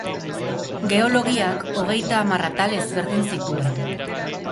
Geologiak hogeita hamar atal ezberdin zituen.